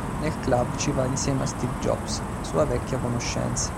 Nel club ci va insieme a Steve Jobs, sua vecchia conoscenza.